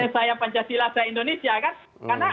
saya pancasila saya indonesia kan karena